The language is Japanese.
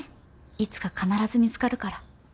いつか必ず見つかるから。